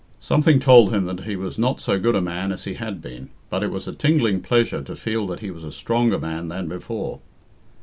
Something told him that he was not so good a man as he had been, but it was a tingling pleasure to feel that he was a stronger man than before.